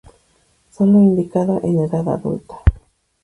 Sólo indicado en edad adulta.